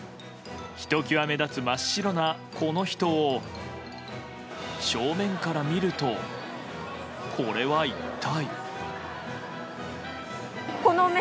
ひときわ目立つ真っ白なこの人を正面から見ると、これは一体？